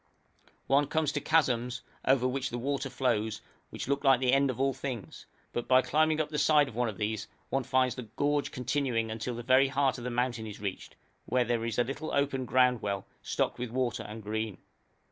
One comes to chasms, over which the water flows, which look like the end of all things; but by climbing up the side of these one finds the gorge continuing until the very heart of the mountain is reached, where is a little open ground well stocked with water and green.